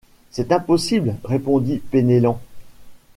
C’est impossible! répondit Penellan.